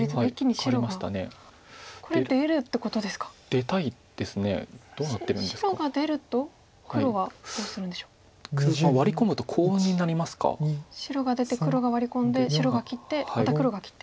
白が出て黒がワリ込んで白が切ってまた黒が切って。